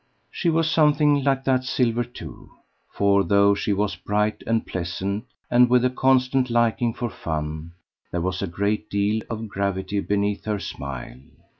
She was something like that silver, too; for though she was bright and pleasant and with a constant liking for fun, there was a great deal of gravity beneath her smile.